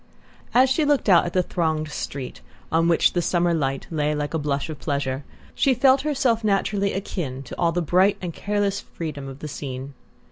As she looked out at the thronged street, on which the summer light lay like a blush of pleasure, she felt herself naturally akin to all the bright and careless freedom of the scene.